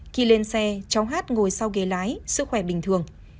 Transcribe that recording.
khi lên xe cháu hát ngồi sau ghế lái sức khỏe bình thường